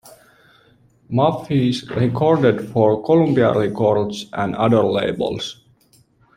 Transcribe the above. Maphis recorded for Columbia Records and other labels.